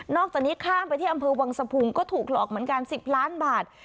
อกจากนี้ข้ามไปที่อำเภอวังสะพุงก็ถูกหลอกเหมือนกัน๑๐ล้านบาท